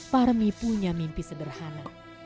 palmi punya mimpi sederhana